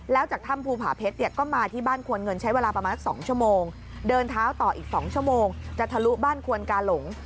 แล้วจากถ้ำภูผาเพชรเนี่ยก็มาที่บ้านควรเงินใช้เวลาประมาณสัก๒ชั่วโมงเดินเท้าต่ออีก๒ชั่วโมงจะทะลุบ้านควนกาหลง